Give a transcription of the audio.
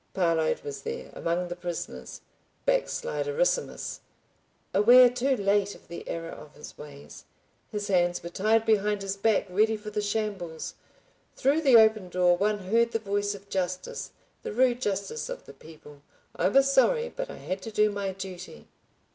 Parload was there, among the prisoners, backsliderissimus, aware too late of the error of his ways. His hands were tied behind his back ready for the shambles; through the open door one heard the voice of justice, the rude justice of the people. I was sorry, but I had to do my duty.